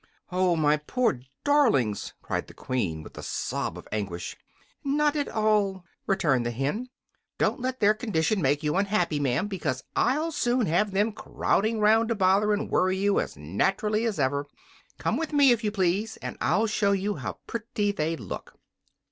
"Oh, my poor darlings!" cried the Queen, with a sob of anguish. "Not at all," returned the hen. "Don't let their condition make you unhappy, ma'am, because I'll soon have them crowding 'round to bother and worry you as naturally as ever. Come with me, if you please, and I'll show you how pretty they look."